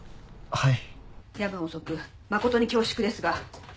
はい？